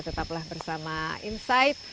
tetaplah bersama insight